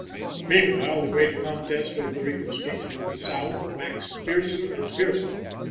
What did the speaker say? Meanwhile the great contest over the reconstruction of the South waxed fiercer and fiercer.